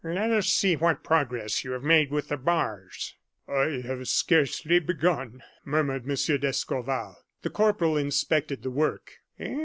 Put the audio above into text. Let us see what progress you have made with the bars." "I have scarcely begun," murmured M. d'Escorval. The corporal inspected the work.